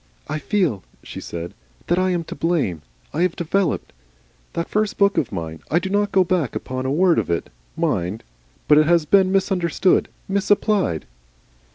"I feel," she said, "that I am to blame. I have Developed. That first book of mine I do not go back upon a word of it, mind, but it has been misunderstood, misapplied."